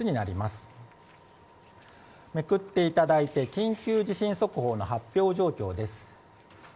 緊急地震速報の発表状況です。